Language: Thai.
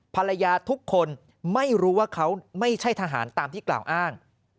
ภรรยาทุกคนไม่รู้ว่าเขาไม่ใช่ทหารตามที่กล่าวอ้าง